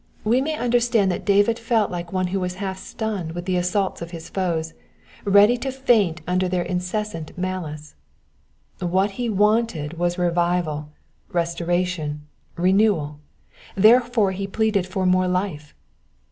We may understand that David felt like one who was half stunned with the assaults of his foes, ready to faint under their incessant malice. What he wanted was revival, restoration, renewal ; therefore he pleaded for more life.